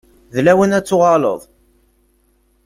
D lawan ad tuɣaleḍ.